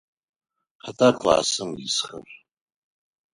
Хэта классым исхэр?